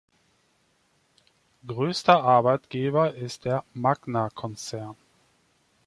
Größter Arbeitgeber ist der Magna-Konzern.